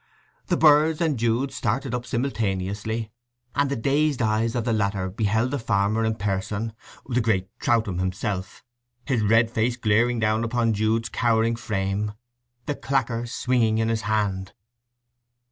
The birds and Jude started up simultaneously, and the dazed eyes of the latter beheld the farmer in person, the great Troutham himself, his red face glaring down upon Jude's cowering frame, the clacker swinging in his hand.